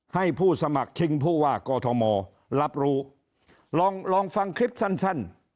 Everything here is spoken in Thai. ให้ผู้สมัครชิงผู้ว่ากอทมรับรู้ลองลองฟังคลิปสั้น